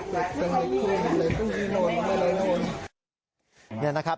ไปเลยโน่นไปเลยโน่น